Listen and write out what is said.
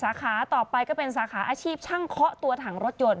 สาขาต่อไปก็เป็นสาขาอาชีพช่างเคาะตัวถังรถยนต์